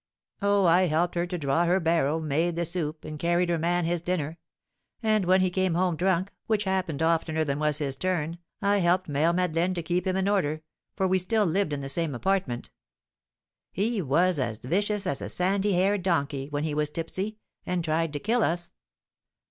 "Oh, I helped to draw her barrow, made the soup, and carried her man his dinner; and when he came home drunk, which happened oftener than was his turn, I helped Mère Madeleine to keep him in order, for we still lived in the same apartment. He was as vicious as a sandy haired donkey, when he was tipsy, and tried to kill us.